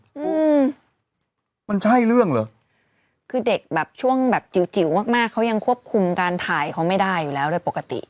อืมมันใช่เรื่องเหรอคือเด็กแบบช่วงแบบจิ๋วจิ๋วมากมากเขายังควบคุมการถ่ายเขาไม่ได้อยู่แล้วโดยปกติ